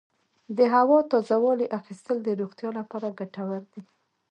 د هوا تازه والي اخیستل د روغتیا لپاره ګټور دي.